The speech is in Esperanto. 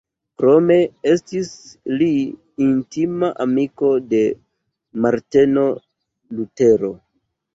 Krome estis li intima amiko de Marteno Lutero.